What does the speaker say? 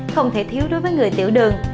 không thể thiếu đối với người tiểu đường